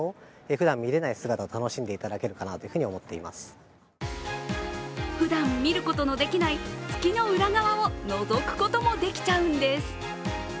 更にふだん見ることのできない月の裏側をのぞくこともできちゃうんです。